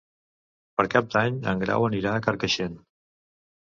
Per Cap d'Any en Grau anirà a Carcaixent.